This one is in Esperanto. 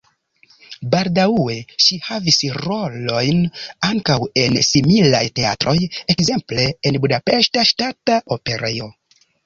Baldaŭe ŝi havis rolojn ankaŭ en similaj teatroj, ekzemple en Budapeŝta Ŝtata Operejo.